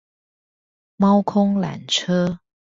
貓空纜車